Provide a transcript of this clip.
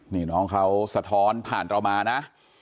นี่น้องเขาสะท้อนผ่านเรามานะ